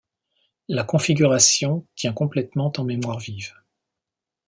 La configuration tient complètement en mémoire vive.